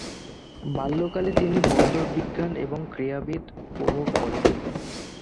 বাল্যকালে তিনি বন্দর বিজ্ঞান এবং ক্রীড়াবিদ উপভোগ করেন।